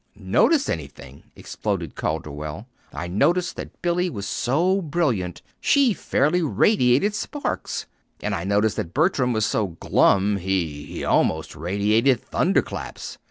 "Notice anything!" exploded Calderwell. "I noticed that Billy was so brilliant she fairly radiated sparks; and I noticed that Bertram was so glum he he almost radiated thunderclaps.